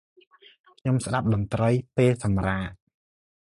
ខ្ញុំស្តាប់តន្ត្រីពេលសម្រាក។